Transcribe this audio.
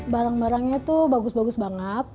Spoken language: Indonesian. barang barangnya itu bagus bagus banget